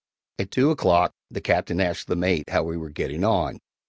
At two o'clock the Captain asked the mate how we were getting on.